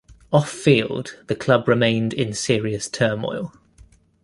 Off field, the club remained in serious turmoil.